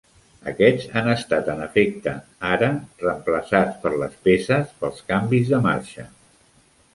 Aquests han estat en efecte, ara, reemplaçats per les peces pels canvis de marxa.